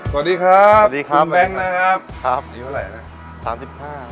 สวัสดีครับสวัสดีครับแบงค์นะครับครับอายุเท่าไหร่นะสามสิบห้า